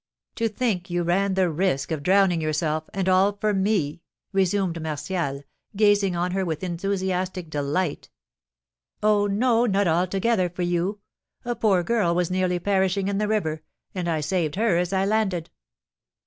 "To think you ran the risk of drowning yourself, and all for me!" resumed Martial, gazing on her with enthusiastic delight. "Oh, no, not altogether for you. A poor girl was nearly perishing in the river, and I saved her as I landed."